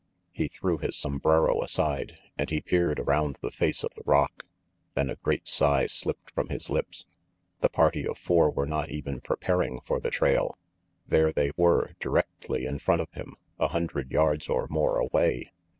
He threw his sombrero aside, and he peered around the face of the rock. Then a great sigh slipped from his lips. That party of four were not even preparing for the trail. There they were, directly in front of him, a hundred yards or more away.